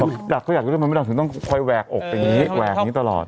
เออเขาอยากรู้ว่ามันไม่รักถึงต้องคอยแวะหน้าอกแบบนี้แวะอย่างนี้ตลอด